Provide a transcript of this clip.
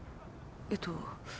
えっと